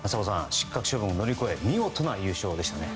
失格処分を乗り越え見事な優勝でしたね。